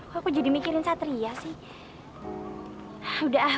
kok aku jadi mikirin satria sih